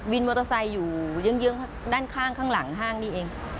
มอเตอร์ไซค์อยู่เยื้องด้านข้างข้างหลังห้างนี่เอง